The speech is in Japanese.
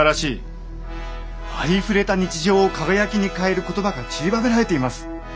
ありふれた日常を輝きに変える言葉がちりばめられています。